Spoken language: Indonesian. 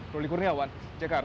roli kurniawan jakarta